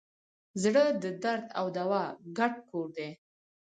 زړه د درد او دوا ګډ کور دی.